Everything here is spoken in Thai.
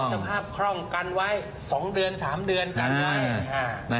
สภาพคล่องกันไว้๒เดือน๓เดือนกันไว้